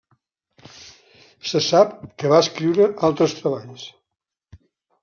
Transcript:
Se sap que va escriure altres treballs.